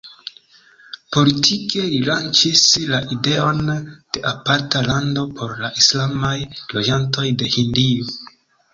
Politike li lanĉis la ideon de aparta lando por la islamaj loĝantoj de Hindio.